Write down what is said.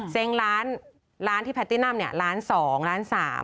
เซ้งร้านที่แพทตินัมเนี่ยร้าน๒ร้าน๓